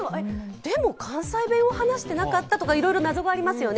でも関西弁を話してなかったなど、いろいろ謎がありますよね。